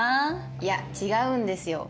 いや違うんですよ。